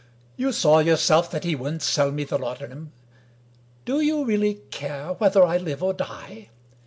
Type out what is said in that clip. " You saw yourself that he wouldn't sell me the laudanum. Do you really care whether I live or die?"